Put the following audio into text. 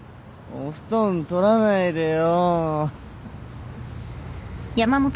お布団取らないでよ。